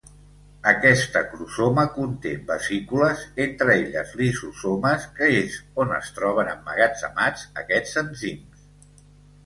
Aquest acrosoma conté vesícules, entre elles lisosomes que és on es troben emmagatzemats aquests enzims.